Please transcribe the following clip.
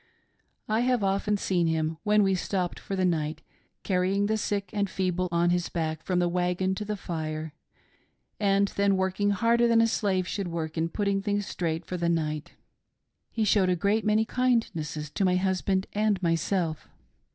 I have often seen him, when we.stopped for the night, carrying the sick and feeble on his hack from the wagon to the fire, and then working harder than a slave would work in putting things straight for the night. He showed a great many kindnesses to my husband and myself.